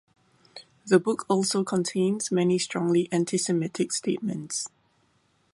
The book also contains many strongly anti-Semitic statements.